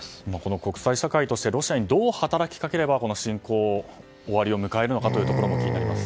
国際社会でロシアに対してどのように働きかけをするかこの侵攻の終わりを迎えるのかというところも気になります。